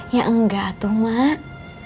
ya enggak tuh mak